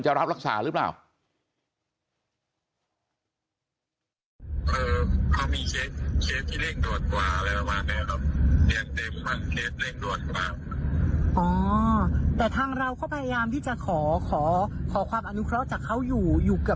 รับรักษาหรือเปล่า